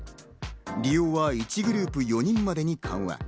利用は１グループ４人までに緩和。